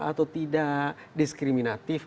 atau tidak diskriminatif